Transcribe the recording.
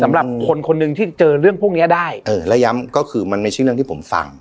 สำหรับคนคนหนึ่งที่เจอเรื่องพวกเนี้ยได้เออแล้วย้ำก็คือมันไม่ใช่เรื่องที่ผมฟัง